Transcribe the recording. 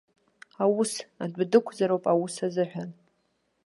Аус, адәы дықәзароуп аус азыҳәан.